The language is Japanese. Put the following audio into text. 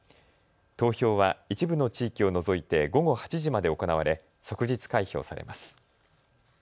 投票は一部の地域を除いて午後８時まで行われ即日開票されます。